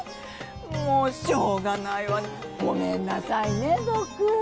もうしょうがないわねごめんなさいね僕。